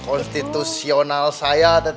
hak konstitusional saya teh